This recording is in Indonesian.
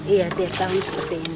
iya tiap kali seperti ini